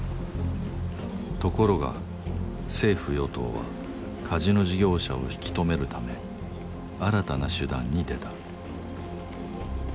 ところが政府・与党はカジノ事業者を引き留めるため新たな手段に出た